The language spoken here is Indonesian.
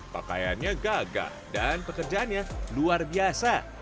pakaiannya gagah dan pekerjaannya luar biasa